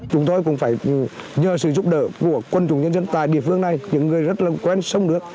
chúng tôi cũng phải nhờ sự giúp đỡ của quân chủng nhân dân tại địa phương này những người rất là quen sông nước